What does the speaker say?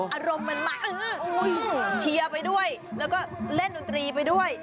อารมณ์มันใหม่เชียร์ไปด้วยแล้วก็เล่นดนตรีไปด้วย